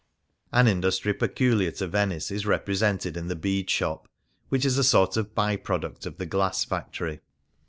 An industry peculiar to Venice is repre sented in the bead shop, which is a sort of by product of the glass factory.